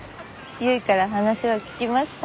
由衣から話は聞きました。